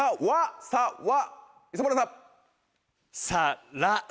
磯村さん。